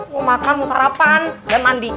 mau makan mau sarapan dan mandi